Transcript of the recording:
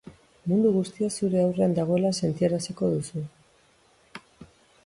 Mundu guztia zure aurrean dagoela sentiaraziko duzu.